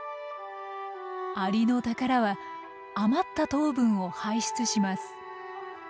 アリノタカラは余った糖分を排出します。